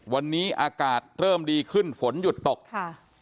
วันนี้อากาศเริ่มดีขึ้นฝนหยุดตกค่ะ